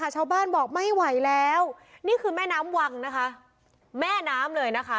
ชาวบ้านบอกไม่ไหวแล้วนี่คือแม่น้ำวังนะคะแม่น้ำเลยนะคะ